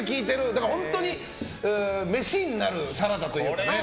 だから、本当に癖になるサラダっていうかね。